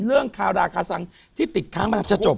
เรื่องคาราคาซังที่ติดค้างมาจะจบ